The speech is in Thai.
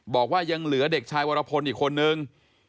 บอกว่ายังเหลือเด็กชายวรพลอีกคนนึง